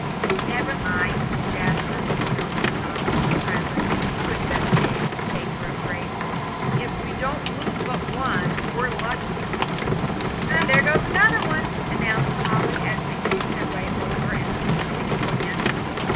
"Never mind," said Jasper, looking over his armful of presents, to investigate his paper of grapes; "if we don't lose but one, we're lucky." "And there goes another," announced Polly, as they picked their way over and through the thick sand.